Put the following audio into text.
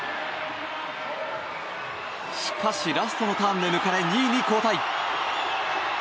しかし、ラストのターンで抜かれ２位に後退。